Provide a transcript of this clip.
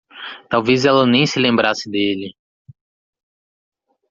Talvez ela nem se lembrasse dele.